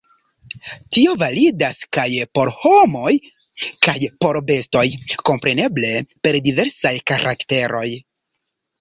Tio validas kaj por homoj kaj por bestoj, kompreneble per diversaj karakteroj.